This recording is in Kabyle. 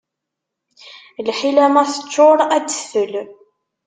Lḥila ma teččuṛ, ad d-tfel.